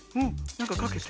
なんかかけて？